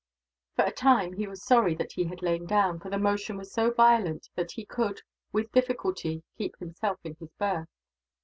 For a time, he was sorry that he had lain down, for the motion was so violent that he could, with difficulty, keep himself in his berth.